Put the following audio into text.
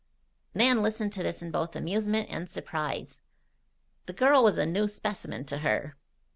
Nan listened to this in both amusement and surprise. The girl was a new specimen to her.